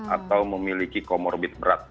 atau memiliki komorbit berat